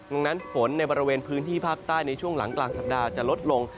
ดังนั้นฝนในบริเวณพื้นที่ภาคใต้ในช่วงหลังกลางสัปดาห์จะลดลง